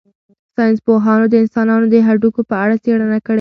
ساینس پوهانو د انسانانو د هډوکو په اړه څېړنه کړې.